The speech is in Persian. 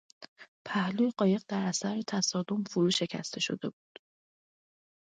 پهلوی قایق در اثر تصادم فرو شکسته شده بود.